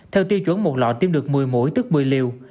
theo tiêu chuẩn một lọ tiêm được một mươi mũi tức một mươi liều